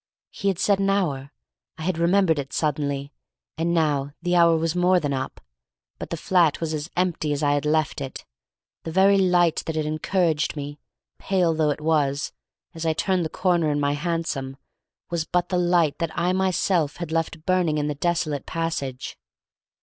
He had said an hour. I had remembered it suddenly. And now the hour was more than up. But the flat was as empty as I had left it; the very light that had encouraged me, pale though it was, as I turned the corner in my hansom, was but the light that I myself had left burning in the desolate passage.